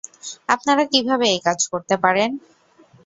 আপনারা কিভাবে এই কাজ করতে পারেন?